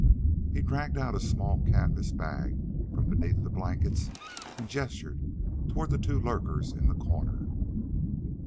He dragged out a small canvas bag from beneath the blankets and gestured toward the two lurkers in the corner.